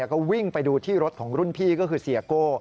ก็วิ่งไปดูที่รถของรุ่นพี่ก็คือเสียโก้